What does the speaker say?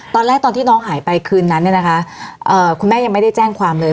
ตอนที่น้องหายไปคืนนั้นเนี่ยนะคะคุณแม่ยังไม่ได้แจ้งความเลย